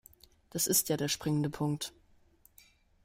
Das ist ja der springende Punkt.